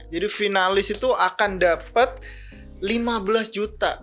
jadi finalist itu akan dapat lima belas juta